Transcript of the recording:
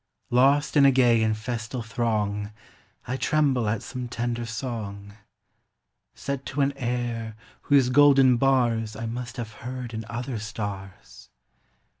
Lost in a gay and festal throng, I tremble at some tender song, — Set to an air whose golden bars I must have heard in other stars.